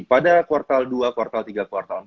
pada kuartal dua kuartal tiga kuartal empat